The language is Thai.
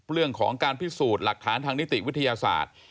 เรื่องของการพิสูจน์หลักฐานทางนิติวิทยาศาสตร์